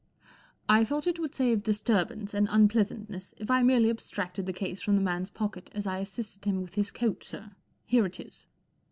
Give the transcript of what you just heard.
4 * I thought it would save disturbance and unpleasantness if I merely abstracted the case from the man's pocket as I assisted him with his coat, sir. Here it is."